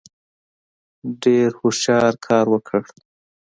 ډېر هوښیار کار وکړ.